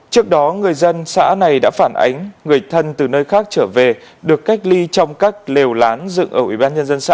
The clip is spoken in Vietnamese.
trước đó người dân xã này đã phản ánh người thân từ nơi khác trở về được cách ly trong các lều lán dựng ở ủy ban nhân dân xã